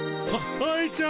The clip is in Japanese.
愛ちゃん。